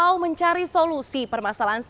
kalau mencari solusi permasalahan sistem